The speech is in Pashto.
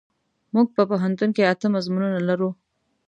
مونږ په پوهنتون کې اته مضمونونه لرو.